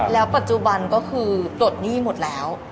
แล้วปัจจุบันก็คือปลดหนี้หมดแล้ว